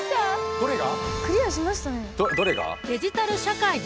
どれが？